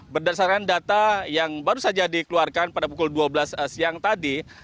berdasarkan data yang baru saja dikeluarkan pada pukul dua belas siang tadi